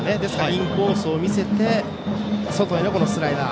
インコースを見せて外へのスライダー。